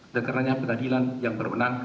dan karenanya pengadilan yang berwenang